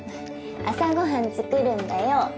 朝ご飯作るんだよ。